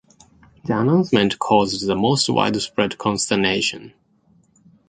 The announcement caused the most widespread consternation.